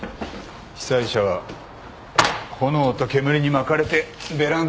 被災者は炎と煙に巻かれてベランダの外にしがみつく。